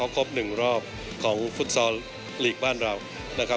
ครบ๑รอบของฟุตซอลลีกบ้านเรา